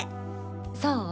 そう？